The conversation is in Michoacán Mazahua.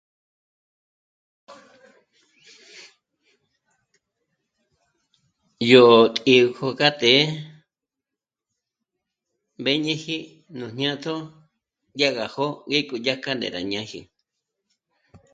Yó t'ǐ'ikju kja të́'ë mbéñeji nú jñátjo dyàgá jó'o jä̀jku ndéka dyàrá ngé rá ñáji